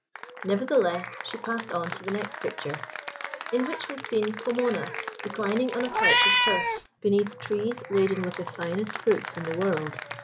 Nevertheless, she passed on to the next picture, in which was seen Pomona reclining on a couch of turf, beneath trees laden with the finest fruits in the world.